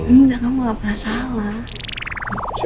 enggak kamu gak pernah salah